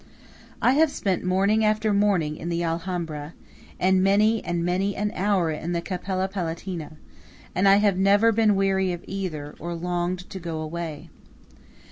I have spent morning after morning in the Alhambra, and many and many an hour in the Cappella Palatina; and never have I been weary of either, or longed to go away.